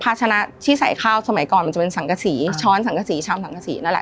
ภาชนะที่ใส่ข้าวสมัยก่อนมันจะเป็นสังกษีช้อนสังกษีชามสังกษีนั่นแหละ